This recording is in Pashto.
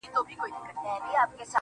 گراني شاعري دغه واوره ته.